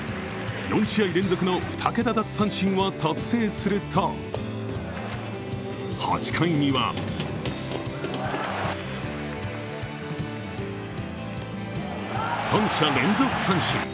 ４試合連続の２桁奪三振を達成すると、８回には、三者連続三振。